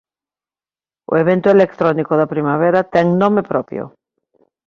O evento electrónico da primavera ten nome propio.